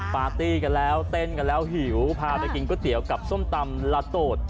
ปาร์ตี้กันแล้วเต้นกันแล้วหิวพาไปกินก๋วยเตี๋ยวกับส้มตำลาโตด